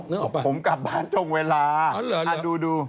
นึกออกป่ะอเจมส์ผมกลับบ้านตรงเวลาดู